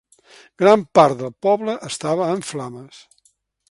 Gran part del poble estava en flames.